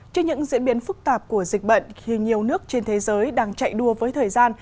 trên những diễn biến phức tạp của dịch bệnh khi nhiều nước trên thế giới đang chạy đua với thời gian